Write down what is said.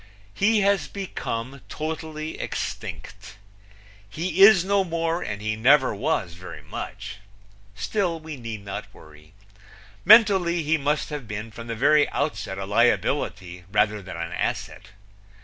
He has become totally extinct. He is no more and he never was very much. Still we need not worry. Mentally he must have been from the very outset a liability rather than an asset.